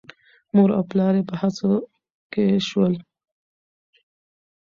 مور او پلار یې په هڅه کې شول.